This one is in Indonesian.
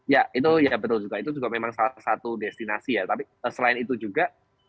ya itu ya betul juga itu juga memang salah satu destinasi ya tapi selain itu juga